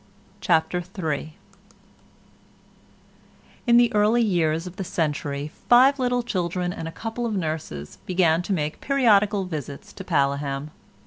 CHAPTER III In the early years of the century five little children and a couple of nurses began to make periodical visits to Paleham.